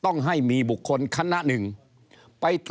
ก็จะมาจับทำเป็นพรบงบประมาณ